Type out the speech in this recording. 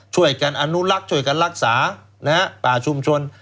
ช่วยกันอนุรักษ์ช่วยกันรักษาป่าชุมชน